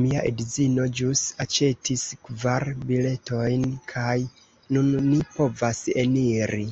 Mia edzino ĵus aĉetis kvar biletojn kaj nun ni povas eniri